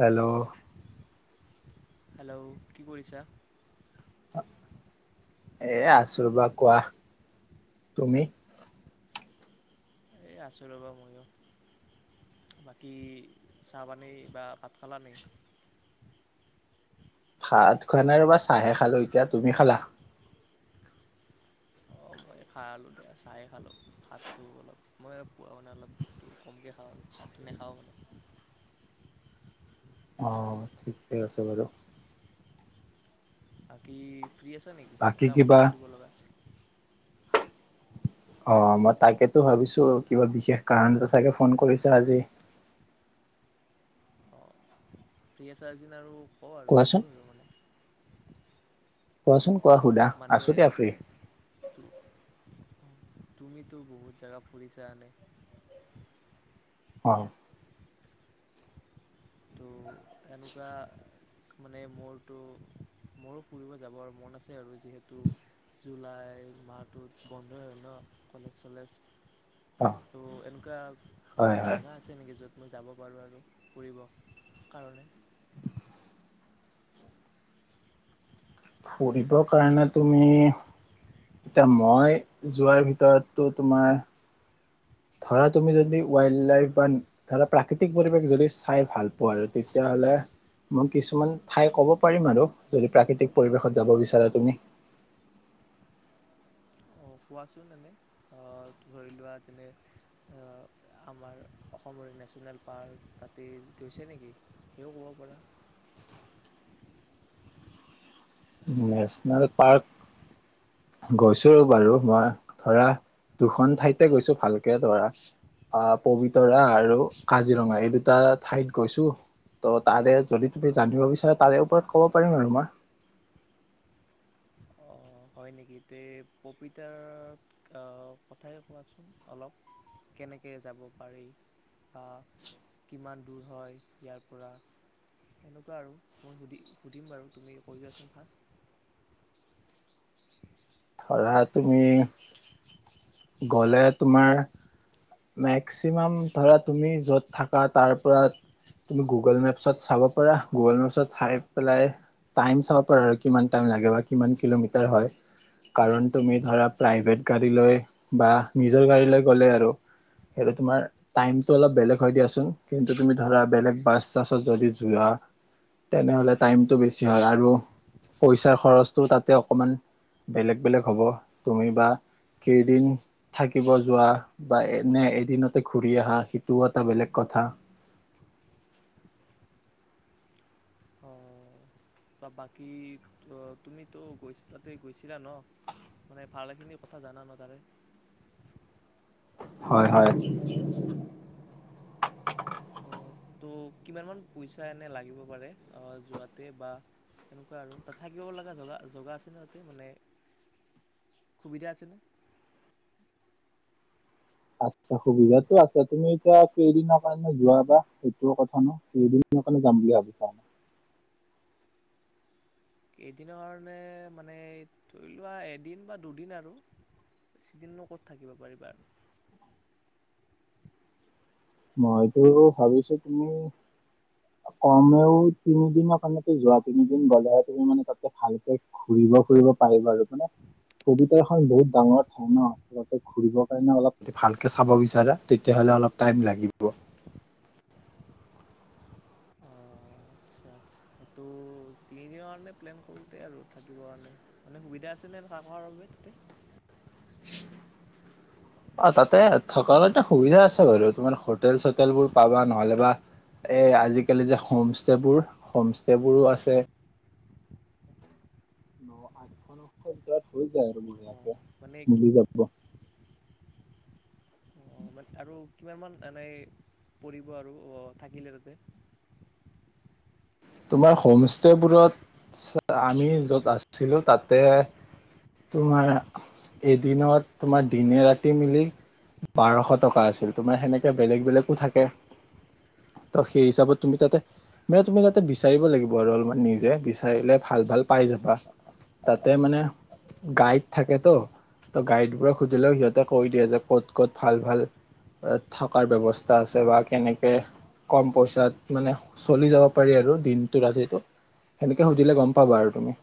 Hello hello কি কৰিছা এ আছো ৰবা কোৱা তুমি এই আছোঁ ৰ'বা ময়ো বাকী চাহপানী বা ভাত খালাানেই ভাত খোৱা নাই ৰবা চাহে খালো এতিয়া তুমি খালা অঁ মই খাইালোঁ দে চাহে খালোঁ ভাতটো অলপ মই পোৱা মানে অলপ ভাতটো কমকৈ খাওঁ ভাতটো নেখাওঁ মানে অঁ ঠিকে আছে বাৰু বাকী ফ্ৰী আছে নেকি বাকী এটা কিবা কথা সুধিব লগা আছে অ মই তাকেতো ভাবিছো কিবা বিশেষ কাৰণতে চাগে ফোন কৰিছা আজি প্ৰিয়া চাৰ্জিন আৰু ক'ব আৰু কোৱাচোন সুধো নিব মানে কোৱাচোন কোৱা সুধা মানে আছো দিয়া ফ্ৰী তুমিতো বহুত জাগা ফুৰিছা আনে হয় ত' এনেকুৱা মানে মোৰতো মোৰো ফুৰিব যাবৰ মন আছে আৰু যিহেতু জুলাই মাহটোত বন্ধই হয় ন কলেজ চলেজ অ ত' এনেকুৱা হয় হয় জাগা আছে নেকি য'ত মই যাব পাৰোঁ আৰু ফুৰিব। কাৰণে। ফুৰিব কাৰণে তুমি এতিয়া মই যোৱাৰ ভিতৰতটো তোমাৰ ধৰা তুমি যদি ৱাইল্ড লাইফ বা ধৰা প্ৰাকৃতিক পৰিৱেশ যদি চাই ভাল পোৱা আৰু তেতিয়াহলে মই কিছুমান ঠাই কব পাৰিম আৰু যদি প্ৰাকৃতিক পৰিৱেশত যাব বিচাৰা তুমি। কোৱাচোন এনে আ ধৰি লোৱা যেনে আ-আমাৰ অসমৰে নেশ্যনেল পাৰ্ক তাতেই গৈছে নেকি সেইও ক'ব পাৰা। নেচনেল পাৰ্ক গৈছো ৰ'বা ৰু মই ধৰা দুখন ঠাইতে গৈছো ভালকে ধৰা আ, পবিতৰা আৰু কাজিৰঙা এই দুটা ঠাইত গৈছো ত' তাৰে যদি তুমি জানিব বিচাৰা তাৰে ওপৰত ক'ব পাৰিম আৰু মই। অঁ হয় নেকি? তে পপিতাৰৰ অ' কথাই কোৱাচোন অলপ কেনেকৈ যাব পাৰি আ কিমান দূৰ হয় ইয়াৰ পৰা এনেকুৱা আৰু মই সুধি-সুধিম বাৰু তুমি কৈ যোৱাচোন ফাৰ্ষ্ট। ধৰা তুমি গ'লে তোমাৰ মেক্সিমাম ধৰা তুমি য'ত থাকা তাৰ পৰা তুমি গুগল মেপছত চাব পাৰা। গুগল মেপছত চাই পেলাই টাইম চাব পাৰা আৰু কিমান টাইম লাগে বা কিমান কিলোমিটাৰ হয়, কাৰণ তুমি ধৰা প্ৰাইভেট গাড়ী লৈ বা নিজৰ গাড়ীলৈ গ'লে আৰু হেটো তোমাৰ টাইমটো অলপ বেলেগ হয় দিয়াচোন কিন্তু তুমি ধৰা বেলেগ বাছ-চাছত যদি যোৱা তেনেহ'লে টাইমটো বেছি হয় আৰু পইচাৰ খৰচটো তাতে অকণমান বেলেগ বেলেগ হ'ব তুমি বা কেইদিন থাকিব যোৱা বা এনে এদিনতে ঘুৰি আহা সিটোও এটা বেলেগ কথা। অ ত বাকী তুমিতো গৈ তাতে গৈছিলা ন মানে ভালখিনি কথা জানা ন তাৰে। হয়, হয়। অ ত' কিমান মান পইচা এনে লাগিব পাৰে অ' যোৱাতে বা এনেকুৱা আৰু তাত থাকিব লগা জগা-জগা আছেনে তাতে মানে সুবিধা আছেনে? আচ্ছা সুবিধাতটো আছে তুমি এতিয়া কেইদিনৰ কাৰণে যোৱাবা সেইটো কথা ন কেইদিনৰ কাৰণে যাম বুলি ভাবিছা? কেইদিনৰ নে মানে ধই লোৱা এদিন বা দুদিন আৰু বেছি দিননো ক'ত থাকিব পাৰিবা। মইতো ভাবিছো তুমি কমেও তিনিদিন কাৰণেটো যোৱা তিনিদিন গলেহে তুমি মানে তাতে ভালকে ঘুৰিব-ফুৰিব পাৰিবা আৰু। মানে সুবিধাহ খন বহুত ডাঙৰ ঠাই ন তাতে ঘুৰিব কাৰণে অলপ ভালকে চাব বিচাৰে তেতিয়া হলে অলপ টাইম লাগ [unintelligible] আচ্ছা-আচ্ছা তো তিনিদিনৰ কাৰণে প্লেন কৰোঁতে আৰু থাকিব কাণে মানে সুবিধা আছেনে থাকাৰ বাবে তাতে? অ তাতে থকাও এটা সুবিধা আছে বাৰু তোমাৰ হোটেল- চোটেলবোৰ পাবা নহলেবা এই আজিকালি যে হোমষ্টেবোৰ-হোমষ্টেবোৰো আছে। ন-আঠশ নশত ইয়াত হৈ যায় আৰু বঢ়িয়াকে। অঁ মানে মিলি যাব। অঁ মানে [inaudible] আৰু কিমানমান এনাই পৰিব আৰু অ থাকিলে তাতে? তোমাৰ হোম ষ্টেবোৰত আমি য'ত আছিলো তাতে তোমাৰ এদিনত তোমাৰ দিনে ৰাতি মিলি বাৰশ টকা আছিল তোমাৰ সেনেকে বেলেগ বেলেগো থাকে ত' সেই হিচাপত তুমি তাতে মানে তুমি তাত তাত বিচাৰিব লাগিব আৰু অলপমান নিজে বিচাৰিলে ভাল ভাল পাই যাবা তাতে মানে গাইড থাকে ত', ত' গাইডবোৰক সুধিলেও সিহঁতে কৈ দিয়ে যে ক'ত ক'ত ভাল ভাল অ থকাৰ ব্যৱস্থা আছে বা কেনেকে কম পইচাত মানে চলি যাৱ। পাৰি আৰু দিনটো ৰাতিটো, হেনেকে সুধিলে গম পাবা আৰু তুমি।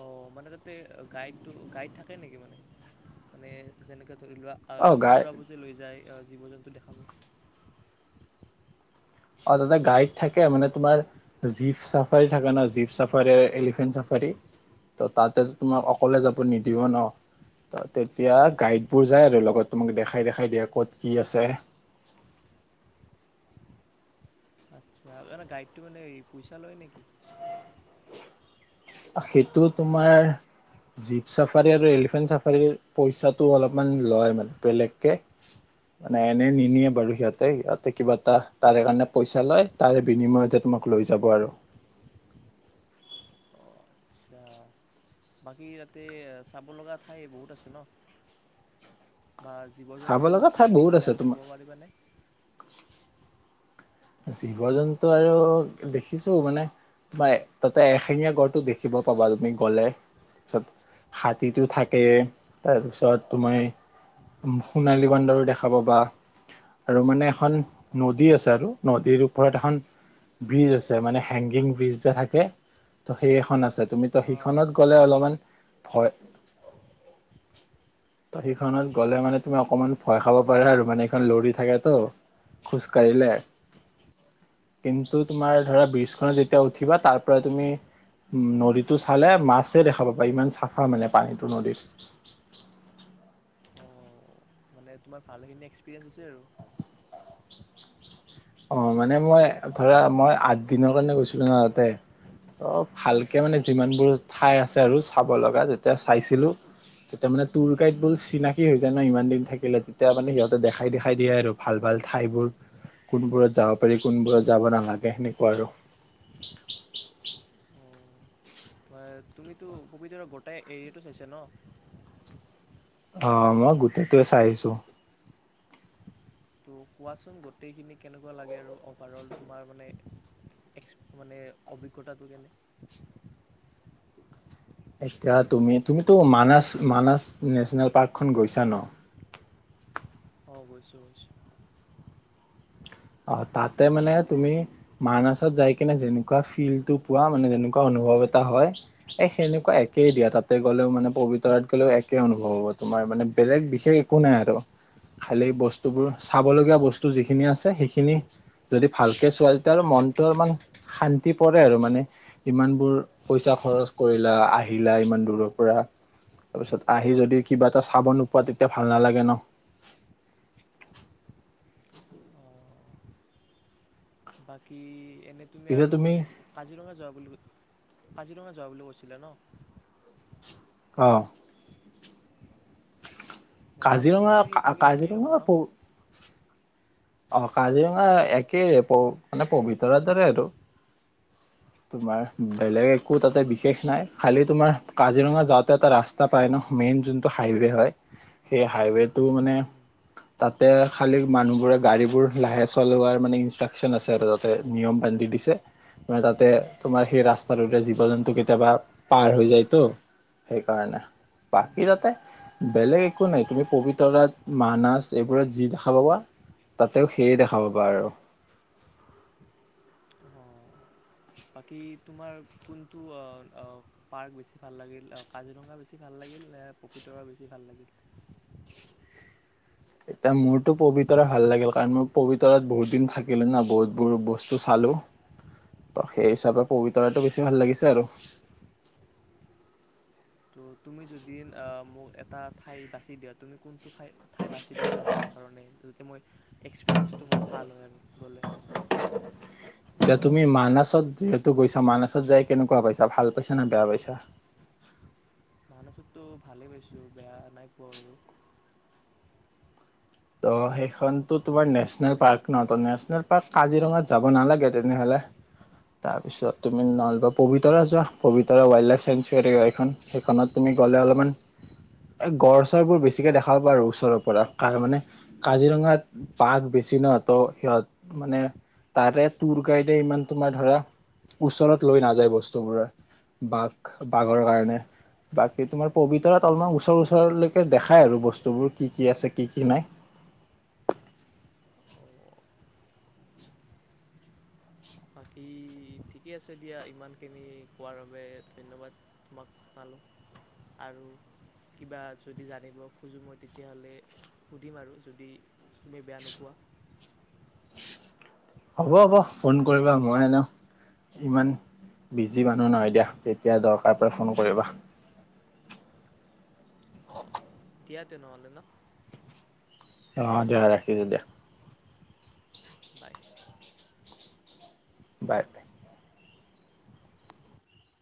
অ মানে তাতে গাইডটো-গাইড থাকে নেকি মানে, মানে যেনে ধৰি লোৱা আ অ গাই ফুৰাবজে লৈ যায়। আ জীৱ-জন্তু দেখাব। অ তাতে গাইড থাকে মানে তোমাৰ জীপ চাফাৰী থাকে ন' জীপ চাফাৰে, এলিফেন্ট চাফাৰী ত' তাতে তোমাক অকলে যাব নিদিব ন' ত তেতিয়া গাইডবোৰ যায় আৰু লগত তোমাক দেখাই দেখাই দিয়ে ক'ত কি আছে। আচ্ছা ইয়াতে গাইডটো মানে পইচা লয় নেকি? সেইটো তোমাৰ জীপ চাফাৰে আৰু এলিফেন্ট চাফাৰী পইচাটো অলপমান লয় মান বেলেগকে মানে এনে নিনিয়ে বাৰু সিহঁতে-সিহঁতে কিবা এটা তাৰে কাণে পইচা লয় তাৰে বিনিময়তে তোমাক লৈ যাব আৰু। অঁ আচ্ছা বাকী তাতে চাব লগা ঠাই বহুত আছে ন? বা চাব জীৱ-জন্তু লগা কি ঠাই কি বহুত দেখিলা আছে এনে তোমাৰ ক'ব পাৰিবানে? জীৱ-জন্তু আৰু দেখিছো মানে তোমাৰ তাতে এশেঙীয়া গড়টো দেখিব পাবা তুমি গ'লে তাপিছত হাতীটো থাক কে অঁ তাপিছত তোমাই উম সোণালী বান্দৰো দেখা পাবা আৰু মানে এখন অঁ নদী আছে আৰু। নদীৰ ওপৰত এখন ব্ৰিজ আছে মানে হেংগিং ব্ৰিজ যে থাকে ত সেই এখন আছে তুমি অঁ সেইখনত গ'লে অলপমান ভয় ত হেইখনত গ'লে মানে তুমি অকণমান ভয় খাব পাৰা আৰু মানে হেখন লৰি থাকেতো খোজকাাঢ়িলে। কিন্তু আচ্ছা তোমাৰ ধৰা ব্ৰীজখনত যেত তেতিয়া উঠিবা তাৰ পৰা তুমি নদীটো চালে মাছে দেখা পাবা ইমান চাফা মানে পানীটো নদীৰ। অঁ মানে তোমাৰ ভালখিনি এক্সপিৰিয়েঞ্চ হৈছে আৰু। অ মানে মই ধৰা মই আঠ দিনৰ কাৰণে গৈছিলো ন তাতে অ ভালকে মানে যিমানবোৰ ঠাই আছে আৰু চাব লগা যেতিয়া চাইছিলো তেতিয়া মানে টুৰ গাইডবোৰ চিনাকি হৈ যায় ন ইমান দিন থাকিলে তেতিয়া মানে সিহঁতে দেখাই দেখাই দিয়ে আৰু ভাল ভাল ঠাই বোৰ। কোনবোৰত যাব পাৰি কোনবোৰত যাব নালাগে সেনেকুৱা আৰু। অঁ তুমিতো পবিতৰাৰ গোটেই এৰিয়াটো চাইছে ন? অ মই গোটেইটোৱে চাই আহিছো। ত' কোৱাচোন গোটেইখিনি কেনেকুৱা লাগে আৰু অভাৰ অল তোমাৰ মানে এক্স মানে অভিজ্ঞতাটো কেনে। এতিয়া তুমি তুমিতো মানাচ মানাচ নেচনেল পাৰ্কখন গৈছা ন? অ গৈছোঁ গৈছোঁ। অ তাতে মানে তুমি মানাছত যাই কিনে যেনেকুৱা ফিলটো পোৱা মানে যেনেকুৱা অনুভৱ এটা হয় এ সেনেকুৱা একেই দিয়া তাতে গলেও মানে পবিতৰাত গ'লেও একে অনুভৱ হব তোমাৰ মানে বেলেগ বিশেষ একো নাই আৰু খালী বস্তুবোৰ চাবলগীয়া বস্তু যিখিনি আছে সেইখিনি খিনি যদি ভালকে চোৱা তেতিয়া আৰু মনটো অমান শান্তি পৰে আৰু মানে ইমানবোৰ পইচা খৰচ কৰিলা আহিলা ইমান দূৰৰ পৰা তাৰ পিছত আহি যদি কিবা এটা চাব নোপোৱা তেতিয়া ভাল নালাগে নহ। অঁ বাকী এনেই তুমি আৰু কাজিৰঙা যোৱা বুলি কৈ কাজিৰঙা যোৱা বুলি কৈছিলা ন। অ। নে কাজিৰঙা কাজিৰঙাতো সেই চাগে একেই হ'ব কাজিৰঙা ন পৌ অ কাজিৰঙা একেই প মানে পবিতৰাৰ দৰে আৰু। তোমাৰ বেলেগ একো তাতে বিশেষ নাই খালি তোমাৰ কাজিৰঙা যাওতে এটা ৰাস্তা পায় ন মেইন যোনটো হাইওৱে হয় সেই হাইওৱেটো মানে তাতে খালি মানুহবোৰে গাড়ীবোৰ লাহে চলোৱাৰ মানে ইনষ্ট্ৰাকচন আছে তাতে নিয়ম বান্ধি দিছে। ম তাতে তোমাৰ সেই ৰাস্তাটোৰে জীৱ জন্তু কেতিয়াবা পাৰ হৈ যায়তো সেইকাৰণে বাকী তাতে বেলেগ একো নাই তুমি পবিতৰাত মানাছ এইবোৰত যি দেখা পাবা তাতেও সেইয়ে দেখা পাবা আৰু। অঁ বাকী তোমাৰ কোনটো অ ও পাৰ্ক বেছি ভাল লাগিল কাজিৰঙা বেছি ভাল লাগিল নে পপীতৰা বেছি ভাল লাগিল? এতিয়া মোৰতো পবিতৰা ভাল লাগিল কাৰণ মোৰ পবিতৰাত বহুত দিন থাকিলো ন বহুত বহুত বস্তু চালোঁ ত সেই হিচাপে পবিতৰাটো বেছি ভাল লাগিছে আৰু। ত' তুমি যদি মোক এটা ঠাই বাচি দিয়া তুমি কোন টো ঠাই বাচি দিবা মোৰ কাৰণে। মই এক্সপিৰিয়েঞ্চটো মোৰ ভাল হয় আৰু গ'লে। এতিয়া তুমি মানাছত যিহেতু গৈছা মানাছত যাই কেনেকুৱা পাইছা ভাল পাইছা নে বেয়া পাইছা। মানছতো ভালেই পাইছো বেয়া নাই পোৱা আৰু। ত' সেইখনতো তোমাৰ নেচনেল পাৰ্ক ন ত নেচনেল পাৰ্ক কাজিৰঙাত যাব নালাগে তেনেহলে তাৰপিছত তুমি নহলবা পবিতৰা যোৱা পবিতৰা ৱাইল্ড লাইফ চেংচুৱাৰী এইখন সেইখনত তুমি গ'লে অলপমান গড় চৰবোৰ বেছিকে দেখা পাবা ওচৰৰ পৰা মানে। কাজিৰঙাত বাঘ বেছি নহ সিহঁত মানে তাৰে টুৰ গাইডে ইমান তোমাৰ ধৰা ওচৰত লৈ নাযায় বস্তুবোৰ বাঘ বাঘৰ কাৰণে বাকী তোমাৰ পবিতৰাত অলপমান ওচৰ ওচৰলৈকে দেখাই আৰু বস্তুবোৰ কি কি আছে কি কি নাই। অঁ বাকী ঠিকে আছে দিয়া ইমানখিনি কোৱাৰ বাবে ধন্যবাদ তোমাক জনালোঁ আৰু কিবা যদি জানিব খোজোঁ মই তেতিয়াহ'লে সুধিম আৰু যদি তুমি বেয়া নোপোৱা। হ'ব হ'ব ফোন কৰিবা মই ইনেও ইমান বিজি মানুহ নহয় দিয়া যেতিয়া দৰকাৰ পৰে ফোন কৰিবা। অঁ দিয়া তেনে হ'লে ন। অ দিয়া ৰাখিছো দিয়া। বাই। Bye bye